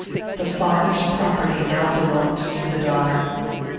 The father's property now belonged to the daughter.